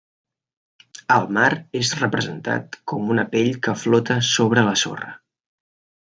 El mar és representat com una pell que flota sobre la sorra.